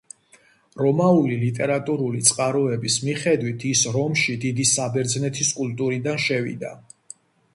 რომაული ლიტერატურული წყაროების მიხედვით ის რომში დიდი საბერძნეთის კულტურიდან შევიდა.